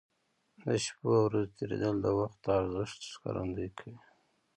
د شپو او ورځو تېرېدل د وخت د ارزښت ښکارندوي کوي.